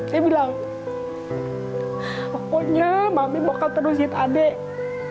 saya bilang pokoknya mami bakal terus jahit adik